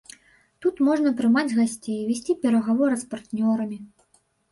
Тут можна прымаць гасцей, весці перагаворы з партнёрамі.